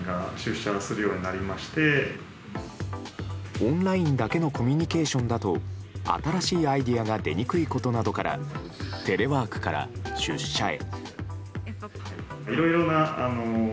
オンラインだけのコミュニケーションだと新しいアイデアが出にくいことなどからテレワークから出社へ。